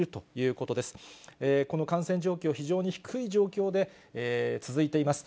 この感染状況、非常に低い状況で続いています。